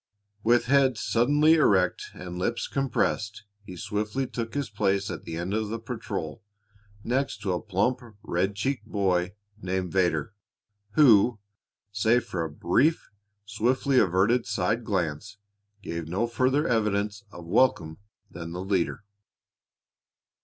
With head suddenly erect and lips compressed, he swiftly took his place at the end of the patrol, next to a plump, red cheeked boy named Vedder, who, save for a brief, swiftly averted side glance, gave no further evidence of welcome than had the leader.